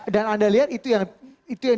anda lihat itu yang